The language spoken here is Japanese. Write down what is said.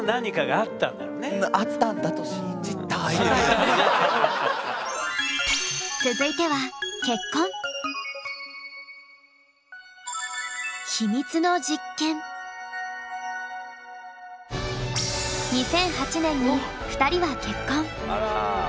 あったんだと続いては２００８年に２人は結婚。